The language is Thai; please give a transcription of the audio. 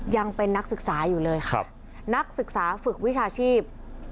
ยังเป็นนักศึกษาอยู่เลยครับนักศึกษาฝึกวิชาชีพ